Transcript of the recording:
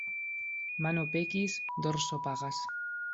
Mano pekis, dorso pagas.